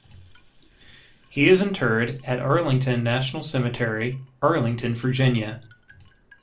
He is interred at Arlington National Cemetery, Arlington, Virginia.